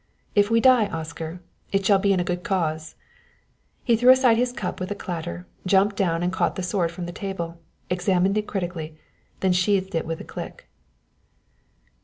"If we die, Oscar, it shall be in a good cause!" He threw aside his cup with a clatter, jumped down and caught the sword from the table, examined it critically, then sheathed it with a click.